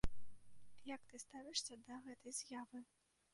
Як ты ставішся да гэтай з'явы?